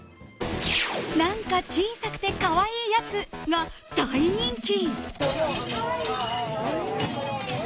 「なんか小さくてかわいいやつ」が大人気。